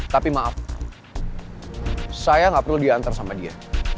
tapi maaf saya nggak perlu diantar sama dia